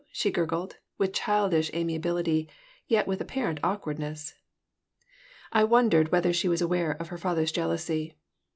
she gurgled, with childish amiability, yet with apparent awkwardness I wondered whether she was aware of her father's jealousy.